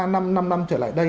ba năm năm năm trở lại đây